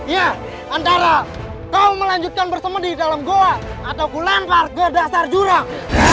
ya antara kau melanjutkan bersemedi dalam goa atau ku lempar ke dasar jurang